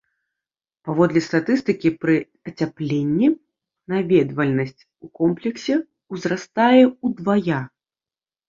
Паводле статыстыкі, пры ацяпленні наведвальнасць у комплексе ўзрастае ўдвая.